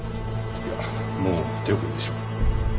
いやもう手遅れでしょう。